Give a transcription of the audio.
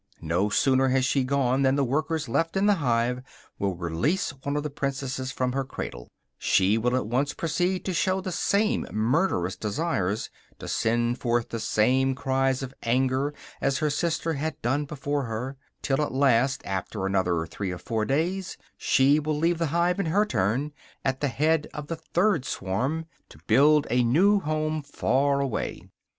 No sooner has she gone than the workers left in the hive will release one of the princesses from her cradle; she will at once proceed to show the same murderous desires, to send forth the same cries of anger, as her sister had done before her, till at last, after another three or four days, she will leave the hive in her turn, at the head of the third swarm, to build a new home far away.